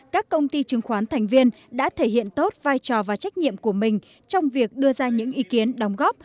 các công ty chứng khoán thành viên đã thể hiện tốt vai trò và trách nhiệm của mình trong việc đưa ra những ý kiến đóng góp